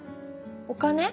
お金？